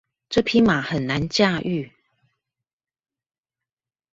這匹馬很難駕馭